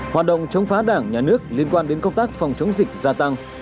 hoạt động chống phá đảng nhà nước liên quan đến công tác phòng chống dịch gia tăng